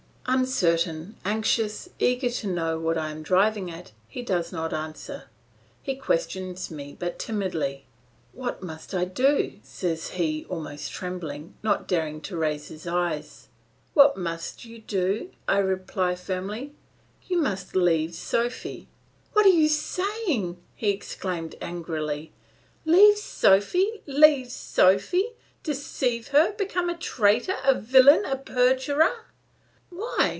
Uncertain, anxious, eager to know what I am driving at, he does not answer, he questions me but timidly. "What must I do?" says he almost trembling, not daring to raise his eyes. "What must you do?" I reply firmly. "You must leave Sophy." "What are you saying?" he exclaimed angrily. "Leave Sophy, leave Sophy, deceive her, become a traitor, a villain, a perjurer!" "Why!"